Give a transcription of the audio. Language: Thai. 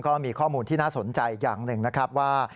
ก็มีข้อมูลที่น่าสนใจอย่างหนึ่งนะครับว่า